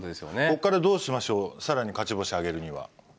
こっからどうしましょう更に勝ち星挙げるには。